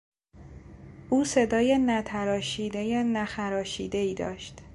او صدای نتراشیده نخراشیدهای داشت.